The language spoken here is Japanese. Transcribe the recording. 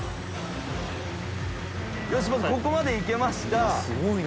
よしここまで行けました。